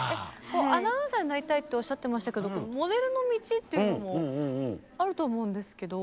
アナウンサーになりたいとおっしゃってましたけどモデルの道っていうのもあると思うんですけど。